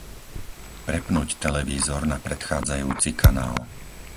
Prepnúť televízor na predchádzajúci kanál.